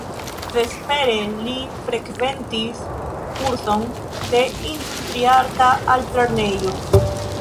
Vespere li frekventis kurson de Industriarta Altlernejo.